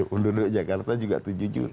undur undur jakarta juga tujuh juta